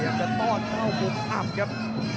ยังก็ต้อนเผ่าภูมิอับครับ